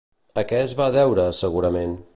A què es va deure, segurament?